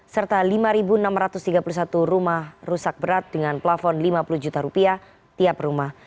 serta lima enam ratus tiga puluh satu rumah rusak berat dengan plafon rp lima puluh juta rupiah tiap rumah